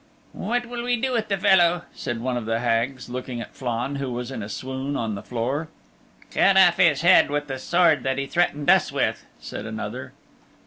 "What will we do with the fellow?" said one of the Hags, looking at Flann who was in a swoon on the floor. "Cut of his head with the sword that he threatened us with," said another.